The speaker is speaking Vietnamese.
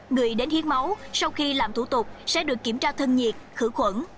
người đến hiến máu sau khi làm thủ tục sẽ được kiểm tra thân nhiệt khử khuẩn